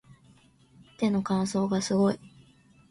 手の乾燥がすごい